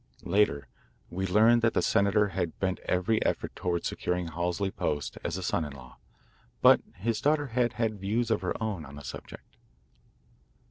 Later, we learned that the senator had bent every effort toward securing Halsey Post as a son in law, but his daughter had had views of her own on the subject.